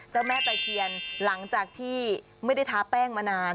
เจ้าแม่ตะเคียนหลังจากที่ไม่ได้ทาแป้งมานาน